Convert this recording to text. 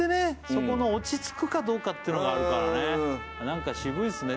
そこの落ち着くかどうかっていうのがあるからね何か渋いっすね